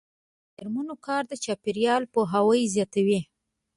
د میرمنو کار د چاپیریال پوهاوی زیاتوي.